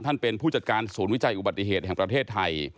เป็นผู้จัดการศูนย์วิจัยอุบัติเหตุแห่งประเทศไทย